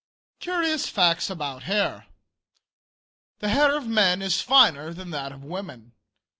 CURIOUS FACTS ABOUT HAIR. The hair of men is finer than that of women.